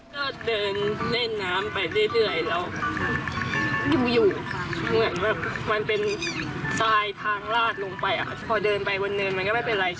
เดินเล่นน้ำไปเรื่อยแล้วอยู่